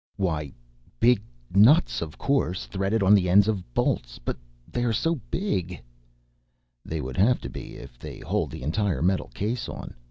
"Why ... big nuts of course. Threaded on the ends of bolts. But they are so big " "They would have to be if they hold the entire metal case on.